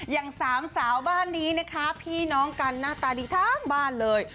อย่างสามสาวบ้านนี้นะคะพี่น้องกันหน้าตาดีทั้งบ้านเลย